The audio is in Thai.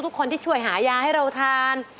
ทุกคนที่ช่วยหายาให้เราทาน